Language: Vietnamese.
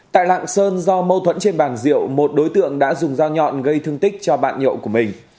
tại lạng sơn do mâu thuẫn trên bàn rượu một đối tượng đã dùng dao nhọn gây thương tích cho bạn nhậu của mình